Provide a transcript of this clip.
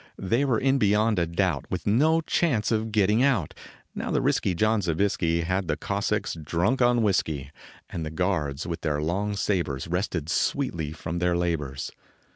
They were in beyond a doubt, With no chance of getting out, Now the risky John Zobiesky Had the Cossacks drunk on whisky, And the guards with their long sabers, Rested sweetly from their labors.